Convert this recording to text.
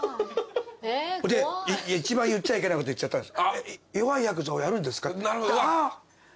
で一番言っちゃいけないこと言っちゃったんです。